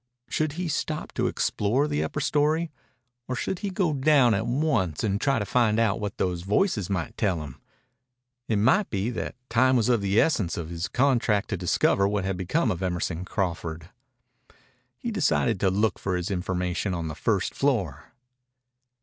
Should he stop to explore the upper story? Or should he go down at once and try to find out what those voices might tell him? It might be that time was of the essence of his contract to discover what had become of Emerson Crawford. He decided to look for his information on the first floor.